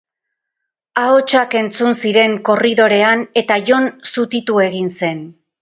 Ahotsak entzun ziren korridorean eta Jon zutitu egin zen.